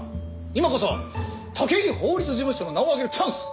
今こそ武井法律事務所の名を上げるチャンス。